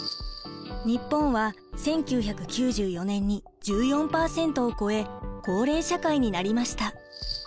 日本は１９９４年に１４％を超え高齢社会になりました。